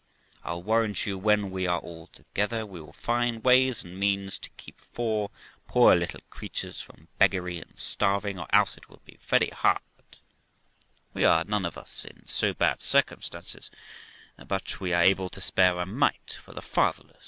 I'll warrant you, when we are all together, we will find ways and means to keep four poor little creatures from beggary and starving, or else it would be very hard ; we are none of us in so bad circumstances but we are able to spare a mite for the fatherless.